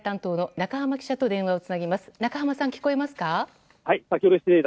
中濱さん、聞こえますか。